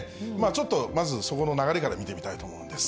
ちょっとまず、そこの流れから見てみたいと思うんです。